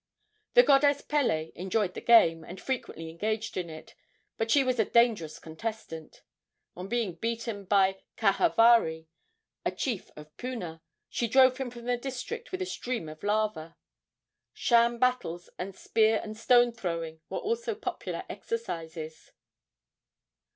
The goddess Pele enjoyed the game, and frequently engaged in it. But she was a dangerous contestant. On being beaten by Kahavari, a chief of Puna, she drove him from the district with a stream of lava. Sham battles and spear and stone throwing were also popular exercises.